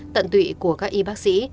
tận tụy của các y bác sĩ